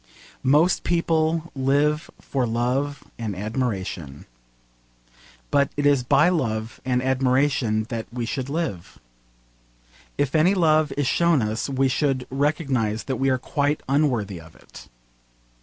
Most people live for love and admiration. But it is by love and admiration that we should live. If any love is shown us we should recognise that we are quite unworthy of it.